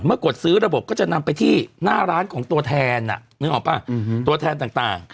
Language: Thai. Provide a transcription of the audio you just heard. กดซื้อระบบก็จะนำไปที่หน้าร้านของตัวแทนนึกออกป่ะตัวแทนต่าง